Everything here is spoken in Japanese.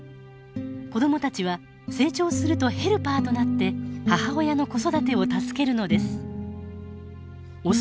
子どもたちは成長するとヘルパーとなって母親の子育てを助けるのです。